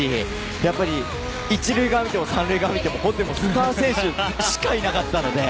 やっぱり、１塁側を見ても３塁側を見てもスター選手しかいなかったので。